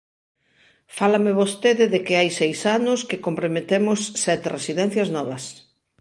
Fálame vostede de que hai seis anos que comprometemos sete residencias novas.